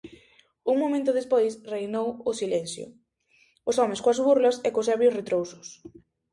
Un momento despois, reinou o silencio; os homes coas burlas e cos ebrios retrousos.